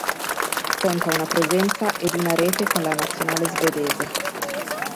Conta una presenza ed una rete con la Nazionale svedese.